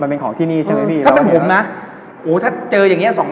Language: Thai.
มันเป็นของที่นี่ใช่ไหมพี่ของผมนะโอ้ถ้าเจออย่างเงี้สอง